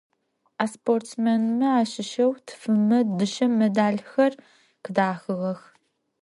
А спортсменмэ ащыщэу тфымэ дышъэ медалхэр къыдахыгъэх.